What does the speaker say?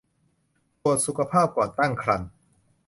ตรวจสุขภาพก่อนตั้งครรภ์